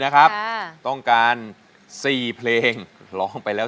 ขอบคุณครับ